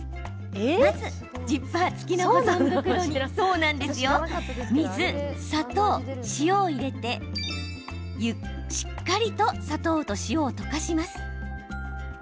まずジッパー付きの保存袋に水、砂糖、塩を入れて砂糖と塩をしっかり溶かします。